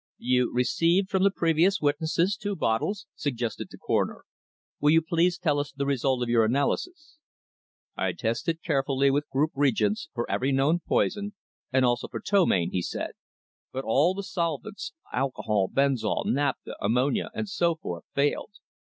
"You received from the previous witnesses two bottles?" suggested the Coroner. "Will you please tell us the result of your analysis?" "I tested carefully with group reagents for every known poison, and also for ptomaine," he said, "but all the solvents alcohol, benzol, naphtha, ammonia and so forth failed.